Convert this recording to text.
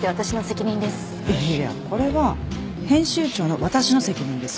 いやいやこれは編集長の私の責任です。